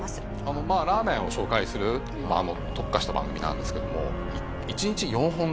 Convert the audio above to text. ラーメンを紹介する特化した番組なんですけども。